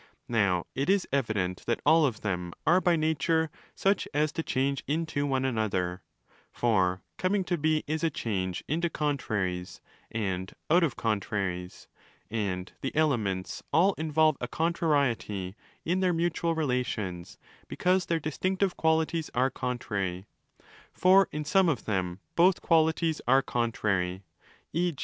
Now it is evident that all of them are by nature such as to change into one another: for coming to be is a change 15 into contraries and out of contraries, and the 'elements' all involve a contrariety in their mutual relations because their distinctive qualities are contrary. For in some of them both qualities are contrary—e.